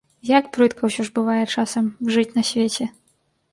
Як брыдка, усё ж, бывае часам жыць на свеце.